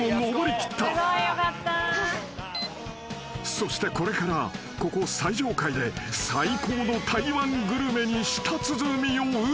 ［そしてこれからここ最上階で最高の台湾グルメに舌鼓を打つ］